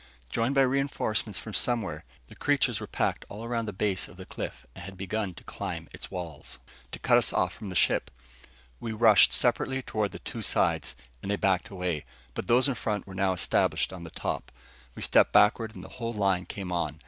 Joined by reinforcements from somewhere, the creatures were packed all around the base of the cliff and had begun to climb its walls, to cut us off from the ship. We rushed separately toward the two sides, and they backed away. But those in front were now established on the top. We stepped backward, and the whole line came on.